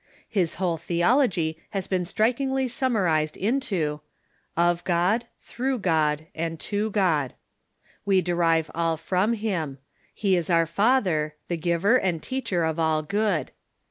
His whole theology has been strikingly summarized into : Of God, through God, and to God. We derive all from him. He is our Father, the Giver and Teacher of all good.